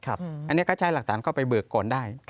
อันนี้ก็ใช้หลักฐานเข้าไปเบิกก่อนได้